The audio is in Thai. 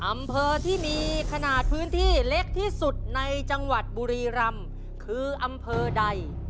อำเภอที่มีขนาดพื้นที่เล็กที่สุดในจังหวัดบุรีรำคืออำเภอใด